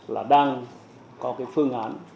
là đang có phương án